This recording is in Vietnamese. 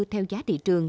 theo giá thị trường